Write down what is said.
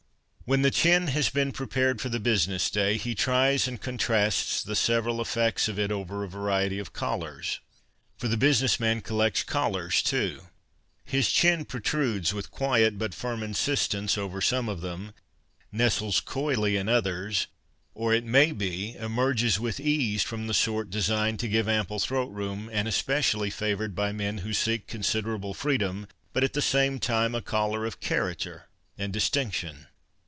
When the chin has been prepared for the business day he tries and contrasts the several effects of it over a variety of collars. For the business man collects collars, too. His chin protrudes with quiet but firm insistence over some of them, nestles coyly in others, or it may be emerges with ease from the sort designed to give ample throat room and espe cially favoured by men who seek considerable freedom but at the same time a collar of character and dis 298 THE BUSINESS MAN tinction.